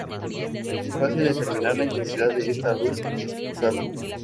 Es fácil determinar la intensidad de esta luz dispersada.